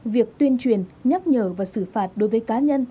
việc tuyên truyền nhắc nhở và xử phạt đối với cá nhân